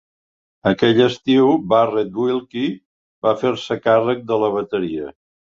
Aquell estiu, Barrett Wilke va fer-se càrrec de la bateria.